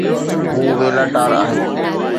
هو ويلا ٽار آهي